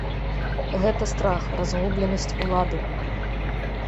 Гэта страх, разгубленасць улады!